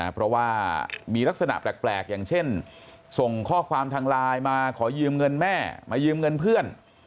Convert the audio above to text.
เพราะว่ามีลักษณะแปลกอย่างเช่นส่งข้อความทางไลน์มาขอยืมเงินแม่มายืมเงินเพื่อน